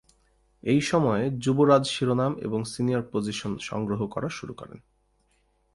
এই সময়ে, যুবরাজ শিরোনাম এবং সিনিয়র পজিশন সংগ্রহ করা শুরু করেন।